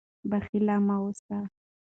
بخیل مه اوسئ.